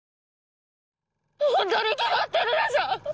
ホントに決まってるでしょ